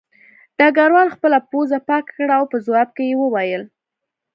ډګروال خپله پوزه پاکه کړه او په ځواب کې یې وویل